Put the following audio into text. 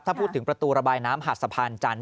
ถ้าพูดถึงประตูระบายน้ำหาดสะพานจันท